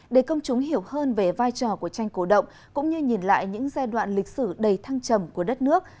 để công chúng hiểu hơn về vai trò của tranh cổ động cũng như nhìn lại những giai đoạn lịch sử đầy thăng trầm của đất nước